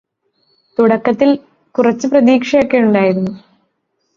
തുടക്കത്തില് കുറച്ച് പ്രതീക്ഷയൊക്കെ ഉണ്ടായിരുന്നു